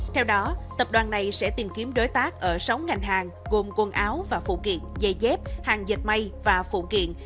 theo đó tập đoàn này sẽ tìm kiếm đối tác ở sáu ngành hàng gồm quần áo và phụ kiện dây dép hàng dạch mây và phụ kiện